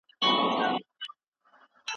هغه موضوع چي ته یې څېړې باید نوې وي.